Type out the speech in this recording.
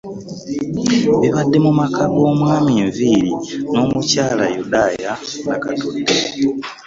Bibadde mu maka g'Omwami Nviiri n'omukyala Yudaya Nakatudde.